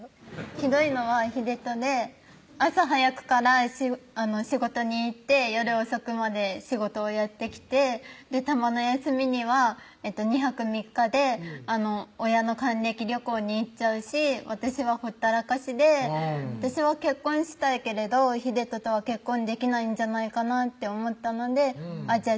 ひどいのは秀人で朝早くから仕事に行って夜遅くまで仕事をやってきてたまの休みには２泊３日で親の還暦旅行に行っちゃうし私はほったらかしで私は結婚したいけれど秀人とは結婚できないんじゃないかなって思ったのでじゃあ